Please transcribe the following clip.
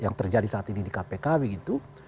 yang terjadi saat ini di kpkw gitu